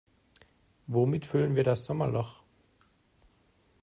Womit füllen wir das Sommerloch?